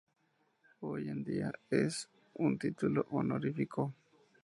Hoy en día, es un título honorífico.